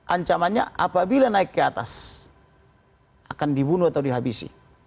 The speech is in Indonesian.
ancamannya apabila naik ke atas akan dibunuh atau dihabisi